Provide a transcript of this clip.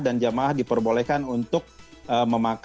dan jamaah diperbolehkan untuk memakan makanan berbuka puasa di masjid